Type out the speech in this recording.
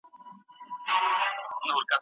د کار موندلو لپاره دا یو ښه امتیاز دی.